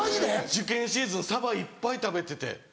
受験シーズンサバいっぱい食べてて。